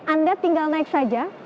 anda tinggal naik saja